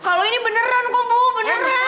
kalau ini beneran bapak bu beneran